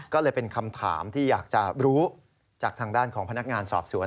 ก็เลยเป็นคำถามที่อยากจะรู้จากทางด้านของพนักงานสอบสวน